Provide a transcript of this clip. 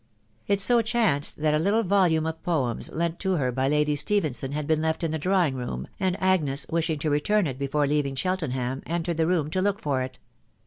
It so chanced that a little volume of poems, lent to her by Lady Stephenson, had been left in the drawing room, and Agnes, wishing to return it before leaving Cheltenham, en tered the room to look for it.